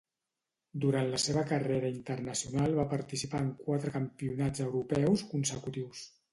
Durant la seva carrera internacional va participar en quatre campionats europeus consecutius.